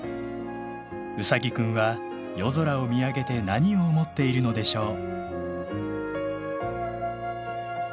ウサギくんは夜空を見上げて何を思っているのでしょう？